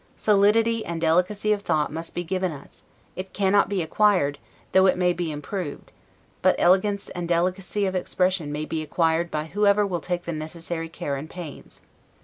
Solidity and delicacy of thought must be given us: it cannot be acquired, though it may be improved; but elegance and delicacy of expression may be acquired by whoever will take the necessary care and pains.